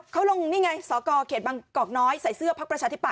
เขาลงนี่ไงสกเขตบางกอกน้อยใส่เสื้อพักประชาธิปัต